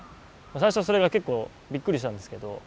最初はそれが結構びっくりしたんですけど。